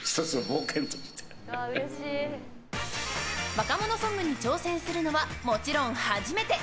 若者ソングに挑戦するのはもちろん初めて。